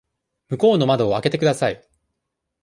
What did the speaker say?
向こうの窓を開けてください。